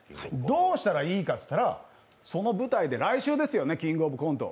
どうしたらいいかっていったらその舞台で、来週ですよね、「キングオブコント」。